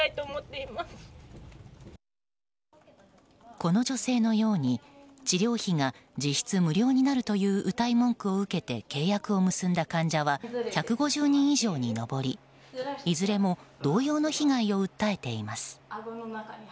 この女性のように治療費が実質無料になるといううたい文句を受けて契約を結んだ患者は１５０人以上に上りいずれも同様の被害を訴えています。